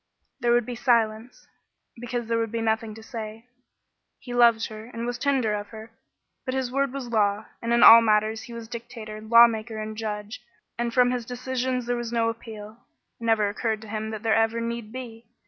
There would be silence, because there would be nothing to say. He loved her and was tender of her, but his word was law, and in all matters he was dictator, lawmaker, and judge, and from his decisions there was no appeal. It never occurred to him that there ever need be.